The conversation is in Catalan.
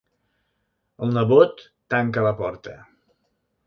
El nebot tanca la porta.